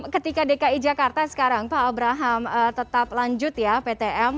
ketika dki jakarta sekarang pak abraham tetap lanjut ya ptm